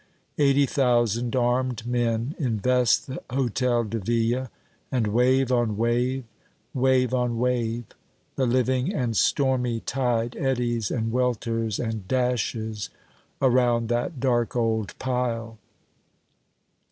Eighty thousand armed men invest the Hôtel de Ville, and wave on wave, wave on wave, the living and stormy tide eddies and welters and dashes around that dark old pile.